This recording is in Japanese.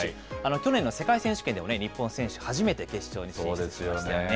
去年の世界選手権では、日本選手で初めて決勝に進出しましたよね。